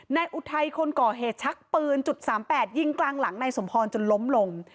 อุทัยคนก่อเหตุชักปืนจุด๓๘ยิงกลางหลังนายสมพรจนล้มลง